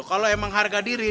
kalo emang harga diri